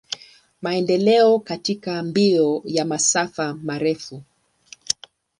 Maendeleo katika mbio ya masafa marefu.